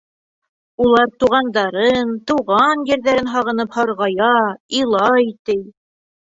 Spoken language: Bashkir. Улар туғандарын, тыуған ерҙәрен һағынып һарғая, илай, ти.